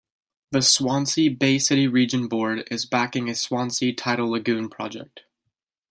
The Swansea Bay City Region Board is backing a Swansea Tidal Lagoon project.